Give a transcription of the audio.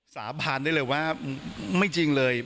สาบานได้เลยว่าไม่จริงเลย